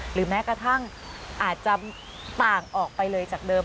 แม้กระทั่งอาจจะต่างออกไปเลยจากเดิม